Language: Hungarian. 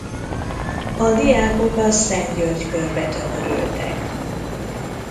A diákok a Szent-György Körbe tömörültek.